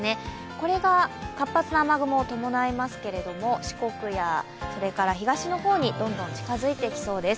これが活発な雨雲を伴いますけれども、四国や東の方にどんどん近づいてきそうです。